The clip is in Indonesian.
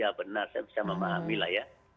ya benar saya bisa memahami lah ya